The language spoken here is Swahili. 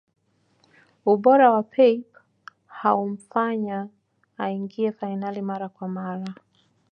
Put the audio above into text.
ubora wa pep haumfanya aingie fainali mara kwa mara